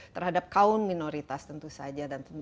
terhadap kaum minoritas tentu saja